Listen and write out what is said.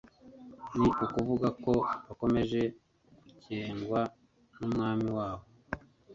ni ukuvuga ko bakomeje kugengwa n'umwami wabo